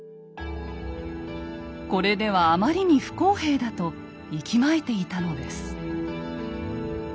これではあまりに不公平だといきまいていたのです。